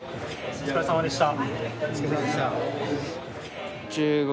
お疲れさまでした。